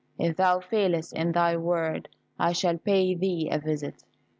If thou failest in thy word, I shall pay thee a visit."